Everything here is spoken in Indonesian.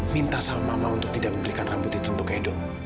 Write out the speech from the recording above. minta sang mama untuk tidak membelikan rambut itu untuk edo